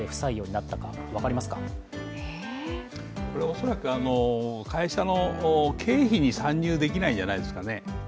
恐らく、会社の経費に算入できないんじゃないですかね。